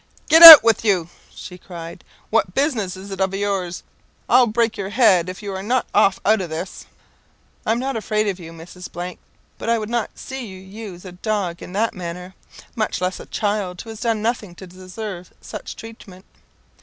"Get out wid you!" she cried; "what business is it of yours? I'll break your head if you are not off out of this." "I'm not afraid of you, Mrs. ; but I would not see you use a dog in that manner, much less a child, who has done nothing to deserve such treatment."